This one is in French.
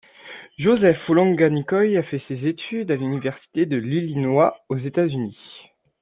Joseph Olenga Nkoy a fait ses études à l'université de l’Illinois aux États-Unis.